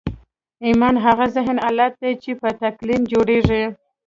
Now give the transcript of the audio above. ایمان هغه ذهني حالت دی چې په تلقین جوړېږي